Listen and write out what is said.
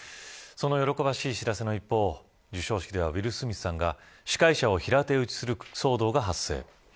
その喜ばしい知らせの一方授賞式ではウィル・スミスさんが司会者を平手打ちする騒動が発生。